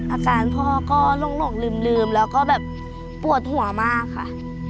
อาการพ่อก็หลงลืมแล้วก็แบบปวดหัวมากค่ะ